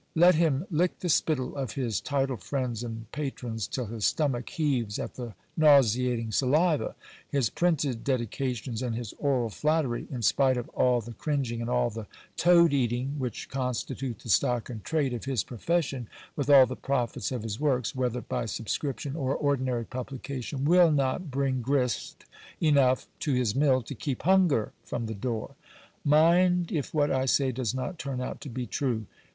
Let him lick the spitde of his tided friends and patrons till his stomach heaves at the nauseating saliva ; his printed dedications and his oral flattery, in spite of all the cringing and all the toad eating, which constitute the stock in trade of his profession, with all the profits of his works, whether by subscription or ordinary publication, will not bring grist enough to his mill, to keep hunger from the door. Mind if what I say does not turn out to be true